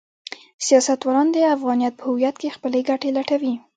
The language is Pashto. سیاستوالان د افغانیت په هویت کې خپلې ګټې لټوي.